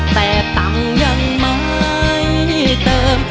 แต่ตังค์ยังไม่เติม